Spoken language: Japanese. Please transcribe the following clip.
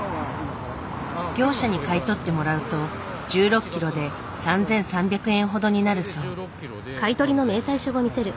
業者に買い取ってもらうと１６ｋｇで３，３００円ほどになるそう。